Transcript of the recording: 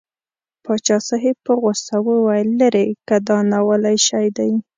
پاچا صاحب په غوسه وویل لېرې که دا ناولی شی دی.